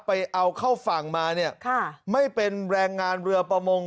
ไปเอาเข้าฝั่งมาเนี่ยค่ะไม่เป็นแรงงานเรือประมง